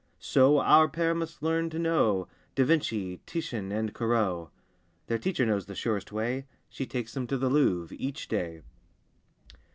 So our pair must learn to know Da Vinci, Titian and Corot. Their teacher knows the surest way: She takes them to the Louvre each day.